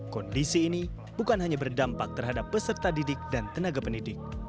kondisi ini bukan hanya berdampak terhadap peserta didik dan tenaga pendidik